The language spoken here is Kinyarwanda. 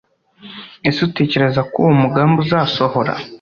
ese utekereza ko uwo mugambi uzasohora